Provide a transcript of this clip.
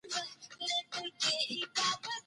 دا زموږ غږ دی.